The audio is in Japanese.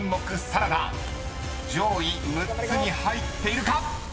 ［上位６つに入っているか⁉］